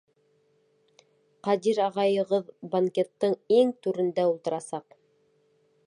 Ҡадир ағайығыҙ банкеттың иң түрендә ултырасаҡ!